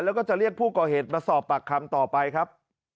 แล้วก็จะเรียกผู้ก่อเหตุมาสอบปากคำต่อไปครับ